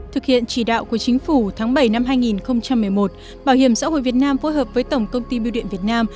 thực hiện chỉ đạo của chính phủ tháng bảy năm hai nghìn một mươi một bảo hiểm xã hội việt nam phối hợp với tổng công ty biêu điện việt nam